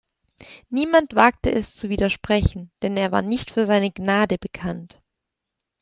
Niemand wagte es zu widersprechen, denn er war nicht für seine Gnade bekannt.